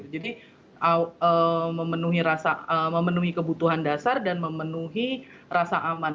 jadi memenuhi kebutuhan dasar dan memenuhi rasa aman